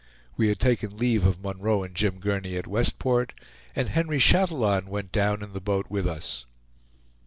We had taken leave of Munroe and Jim Gurney at Westport, and Henry Chatillon went down in the boat with us.